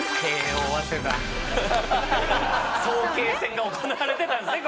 早慶戦が行われてたんですね